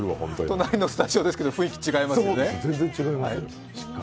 隣のスタジオですけど雰囲気違いますか。